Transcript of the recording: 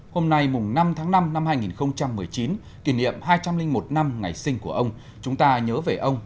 hôm nay năm tháng năm năm hai nghìn một mươi chín kỷ niệm hai trăm linh một năm ngày sinh của ông chúng ta nhớ về ông